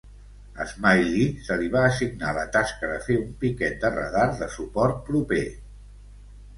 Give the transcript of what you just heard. A "Smalley" se li va assignar la tasca de fer un piquet de radar de suport proper.